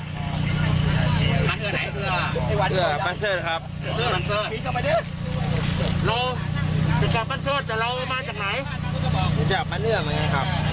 เราจะกลับบ้านเรือไหมครับ